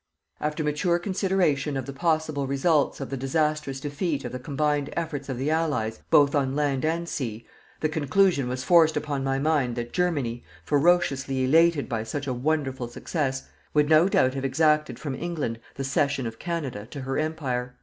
After mature consideration of the possible results of the disastrous defeat of the combined efforts of the Allies, both on land and sea, the conclusion was forced upon my mind that Germany, ferociously elated by such a wonderful success, would no doubt have exacted from England the cession of Canada to her Empire.